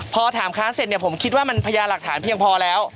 พอถามค้านเสร็จเนี่ยผมคิดว่ามันพญาหลักฐานเพียงพอแล้ว